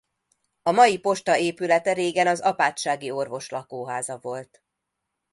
A mai posta épülete régen az apátsági orvos lakóháza volt.